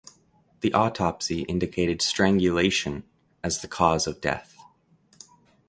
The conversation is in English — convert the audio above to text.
The autopsy indicated strangulation as the cause of death.